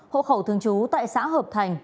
hộ khẩu thương chú tại xã hợp thành